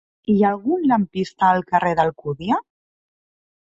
Hi ha algun lampista al carrer d'Alcúdia?